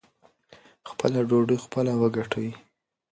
خپله ډوډۍ خپله وګټئ.